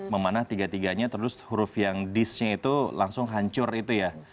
memanah tiga tiganya terus huruf yang disnya itu langsung hancur itu ya